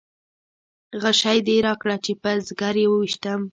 غشی دې راکړه چې په ځګر یې وویشتم.